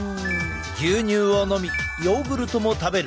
牛乳を飲みヨーグルトも食べる。